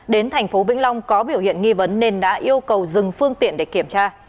đến tp vĩnh long có biểu hiện nghi vấn nên đã yêu cầu dừng phương tiện để kiểm tra